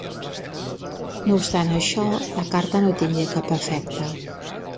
No obstant això, la carta no tingué cap efecte.